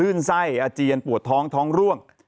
ไส้อาเจียนปวดท้องท้องร่วง